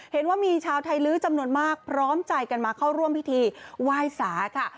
เห็นว่ามีชาวไทยลื้อจำนวนมากพร้อมใจกันมาเข้าร่วมพิธีไหว้สาค่ะ